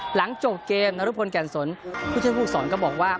หลังจบเกมนรุพลแก่นสนผู้ช่วยผู้สอนก็บอกว่า